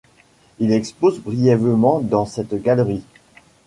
Il expose brièvement dans cette galerie.